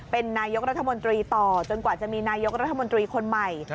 เป็นนายกรัฐมนตรีต่อจนกว่าจะมีนายกรัฐมนตรีคนใหม่